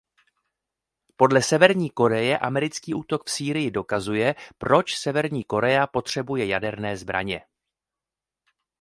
Podle Severní Koreje americký útok v Sýrii dokazuje proč Severní Korea potřebuje jaderné zbraně.